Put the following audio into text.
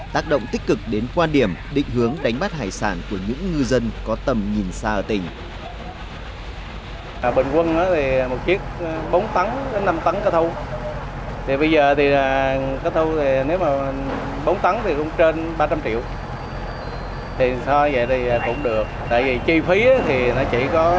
tác động tích cực đến quan điểm định hướng đánh bắt hải sản của những ngư dân có tầm nhìn xa ở tỉnh